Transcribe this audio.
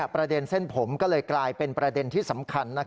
ประเด็นเส้นผมก็เลยกลายเป็นประเด็นที่สำคัญ